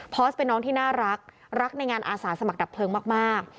พอสเป็นน้องที่น่ารักรักในงานอาสาสมัครดับเพลิงมาก